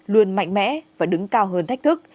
luôn mạnh mẽ và đứng cao hơn thách thức